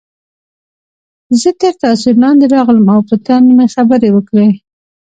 زه تر تاثیر لاندې راغلم او په طنز مې خبرې وکړې